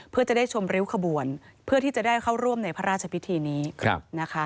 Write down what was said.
เพื่อจะได้ชมริ้วขบวนเพื่อที่จะได้เข้าร่วมในพระราชพิธีนี้นะคะ